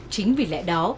chính vì lẽ đó